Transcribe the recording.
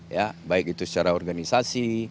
ya baik itu secara organisasi